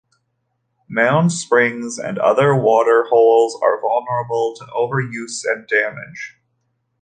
Mound springs and other waterholes are vulnerable to overuse and damage.